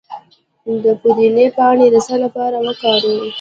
د پودینې پاڼې د څه لپاره وکاروم؟